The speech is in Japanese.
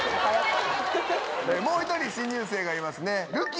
もう１人新入生がいますねるき。